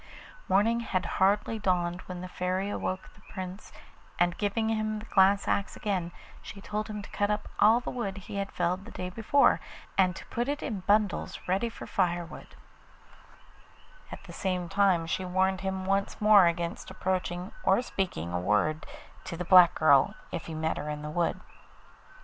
Morning had hardly dawned when the Fairy awoke the Prince, and giving him the glass axe again she told him to cut up all the wood he had felled the day before, and to put it in bundles ready for firewood; at the same time she warned him once more against approaching or speaking a word to the black girl if he met her in the wood.